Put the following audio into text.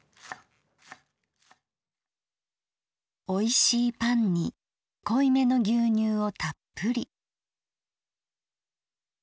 「おいしいパンに濃いめの牛乳をたっぷり。